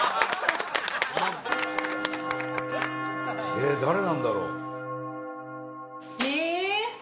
えー誰なんだろう？